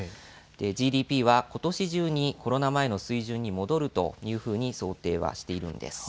ＧＤＰはことし中にコロナ前の水準に戻るというふうに想定はしているんです。